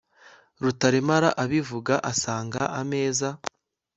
rutaremara abivuga asanga ameza